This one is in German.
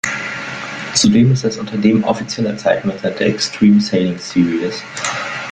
Zudem ist das Unternehmen offizieller Zeitmesser der Extreme Sailing Series.